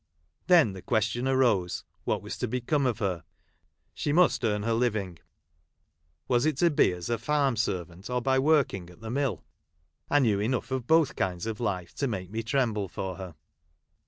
Then the question arose, what was to become of her ] She must earn her living ; was it to be as a farm servant, or by working at the mill 1 I knew enough of both kinds of life .to make me tremble for her.